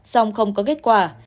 xong không có kết quả